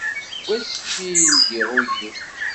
Deg wass mi i m-ldiɣ ul-iw.